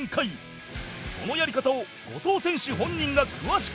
そのやり方を後藤選手本人が詳しく解説！